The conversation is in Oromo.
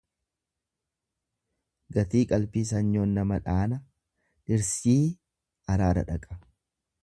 Gatii qalbii sanyoon nama dhaana dhirsii araara dhaqa.